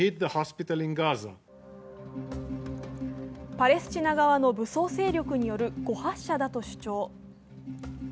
パレスチナ側の武装勢力による誤発射だと主張。